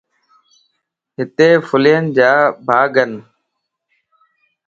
ھتي ڦلين جا ڀاڳن